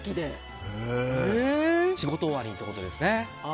仕事終わりってことですね。